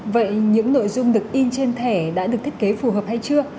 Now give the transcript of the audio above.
vậy những nội dung được in trên thẻ đã được thiết kế phù hợp hay chưa